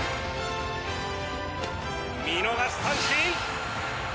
見逃し三振！